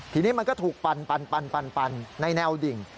ทีนี้มันก็ถูกปันในแนวดิ่ง